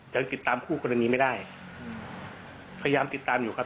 ยังติดตามคู่กรณีไม่ได้พยายามติดตามอยู่ครับ